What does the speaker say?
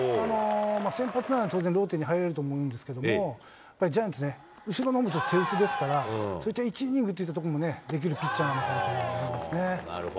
先発なら当然ローテに入れると思うんですけど、やっぱりジャイアンツね、後ろのほうもちょっと手薄ですから、そういった１イニングといったところもね、できるピッチャーなのかなと思いますね。